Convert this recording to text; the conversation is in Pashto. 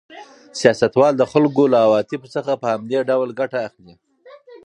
سیاستوال د خلکو له عواطفو څخه په همدې ډول ګټه اخلي.